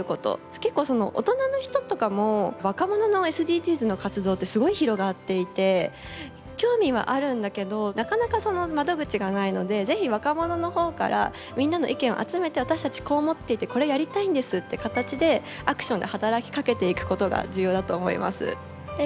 結構大人の人とかも若者のＳＤＧｓの活動ってすごい広がっていて興味はあるんだけどなかなかその窓口がないので是非若者の方からみんなの意見を集めて私たちこう思っていてこれやりたいんですって形でアクションで働きかけていくことが重要だと思います。